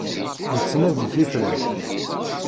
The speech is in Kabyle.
Nettnadi tifrat.